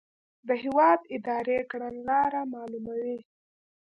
د هیواد اداري کړنلاره معلوموي.